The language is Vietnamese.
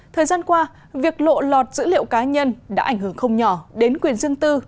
thời gian qua việc lộ lọt dữ liệu cá nhân đã ảnh hưởng không nhỏ đến quyền dương tư